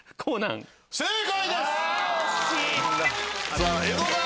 正解です！